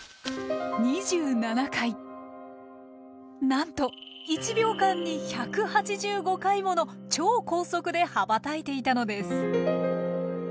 なんと１秒間に１８５回もの超高速で羽ばたいていたのです。